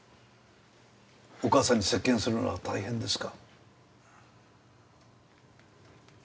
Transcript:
お母さんに接見するのは大変ですか？